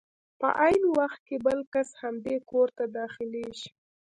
په عین وخت کې بل کس همدې کور ته داخلېږي.